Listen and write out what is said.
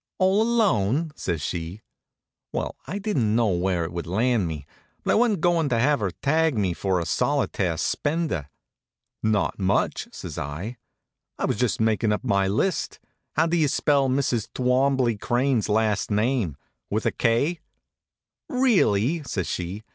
"All alone?" says she. Well, I didn't know where it would land me, but I wa'n't goin' to have her tag me for a solitaire spender. "Not much," says I. "I was just makin' up my list. How do you spell Mrs. Twombley Crane's last name with a k?" "Really!" says she.